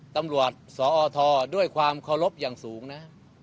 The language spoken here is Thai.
ตำรวจสอทด้วยความเคารพอย่างสูงนะ